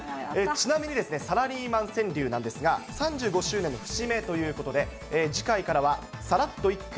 ちなみにサラリーマン川柳なんですが、３５周年の節目ということで、次回からは、サラっと一句！